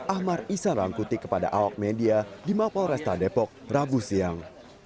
ahmar isan rangkuti kepada awak media di mapolresta depok rabu siang